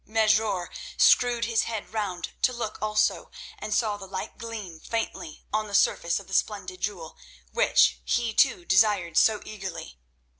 Mesrour screwed his head round to look also, and saw the light gleam faintly on the surface of the splendid jewel, which he, too, desired so eagerly.